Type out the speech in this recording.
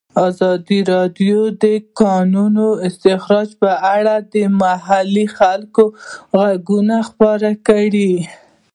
ازادي راډیو د د کانونو استخراج په اړه د محلي خلکو غږ خپور کړی.